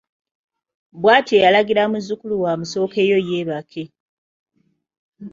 Bwatyo yalagira muzzukulu we amusookeyo yeebake.